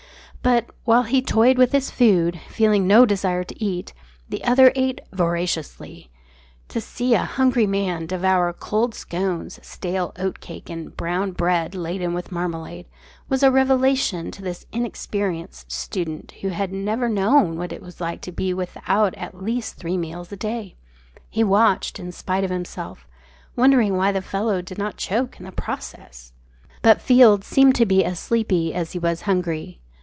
But, while he toyed with his food, feeling no desire to eat, the other ate voraciously. To see a hungry man devour cold scones, stale oatcake, and brown bread laden with marmalade was a revelation to this inexperienced student who had never known what it was to be without at least three meals a day. He watched in spite of himself, wondering why the fellow did not choke in the process. But Field seemed to be as sleepy as he was hungry.